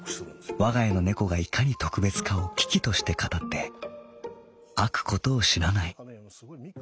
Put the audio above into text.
「わが家の猫がいかに特別かを嬉々として語って飽くことを知らない。